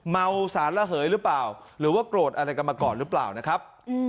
เมาสารระเหยหรือเปล่าหรือว่าโกรธอะไรกันมาก่อนหรือเปล่านะครับ